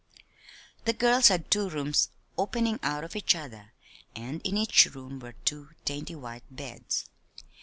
The girls had two rooms opening out of each other, and in each room were two dainty white beds.